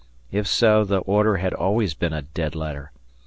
If so the order had always been a "dead letter."